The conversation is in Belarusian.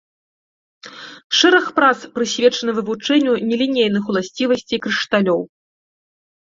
Шэраг прац прысвечаны вывучэнню нелінейных уласцівасцей крышталёў.